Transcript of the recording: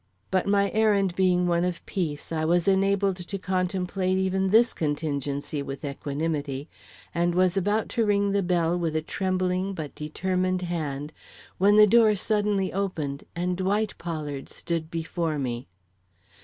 But my errand being one of peace I was enabled to contemplate even this contingency with equanimity, and was about to ring the bell with a trembling but determined hand, when the door suddenly opened and Dwight Pollard stood before me.